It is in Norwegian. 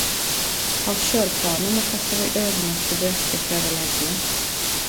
Har sjølv planar om å kaste meg over nokre bøker før eg legg meg...